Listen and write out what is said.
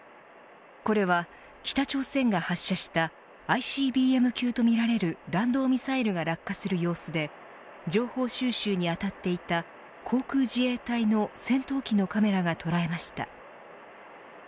これは北朝鮮が発射したＩＣＢＭ級とみられる弾道ミサイルが落下する様子で情報収集にあたっていた航空自衛隊の戦闘機のカメラが捉えました。